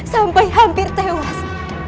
sampai hampir tewas